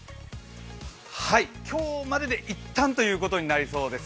はい、今日までで一旦ということになりそうです。